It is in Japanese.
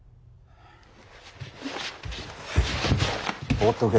放っとけ。